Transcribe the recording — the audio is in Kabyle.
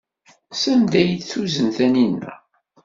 Sanda ay t-tuzen Taninna?